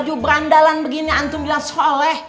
baju berandalan begini antum bilang soleh